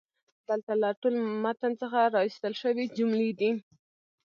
دلته د ټول متن څخه را ایستل شوي جملې دي: